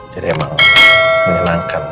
jadi emang menyenangkan